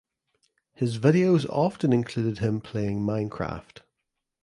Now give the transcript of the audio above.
His videos often included him playing "Minecraft".